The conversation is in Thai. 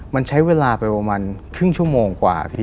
มันใช้เวลาไปประมาณครึ่งชั่วโมงกว่าพี่